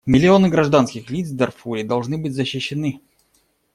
Миллионы гражданских лиц в Дарфуре должны быть защищены.